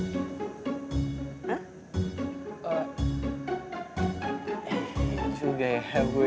gitu juga ya bu